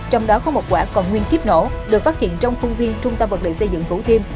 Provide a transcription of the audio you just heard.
trong đó có một quả còn nguyên kiếp nổ được phát hiện trong khuôn viên trung tâm vật liệu xây dựng thủ thiêm